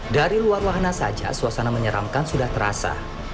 dari luar wahana saja suasana menyeramkan sudah terasa